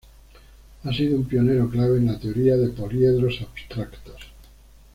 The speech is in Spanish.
Ha sido un pionero clave en la teoría de poliedros abstractos.